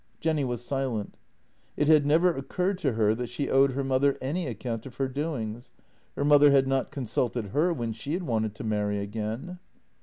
" Jenny was silent. It had never occurred to her that she owed her mother any account of her doings — her mother had not consulted her when she had wanted to marry again.